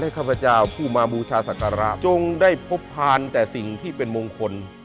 ข้าพเจ้าผู้มาบูชาศักระจงได้พบพานแต่สิ่งที่เป็นมงคล